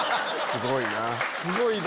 すごいな！